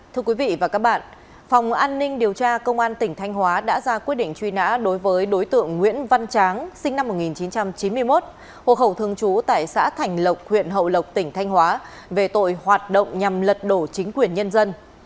thưa quý vị và các bạn phòng an ninh điều tra công an tỉnh thanh hóa đã ra quyết định truy nã đối với đối tượng nguyễn văn tráng sinh năm một nghìn chín trăm chín mươi một hộ khẩu thường trú tại xã thành lộc huyện hậu lộc tỉnh thanh hóa về tội hoạt động nhằm lật đổ chính quyền nhân dân